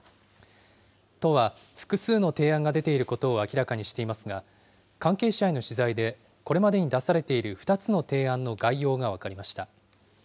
都は複数の提案が出ていることを明らかにしていますが、関係者への取材で、これまでに出されている２つの提案の概要が分かりました。